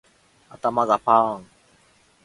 頭がパーン